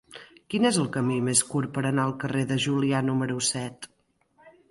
Quin és el camí més curt per anar al carrer de Julià número set?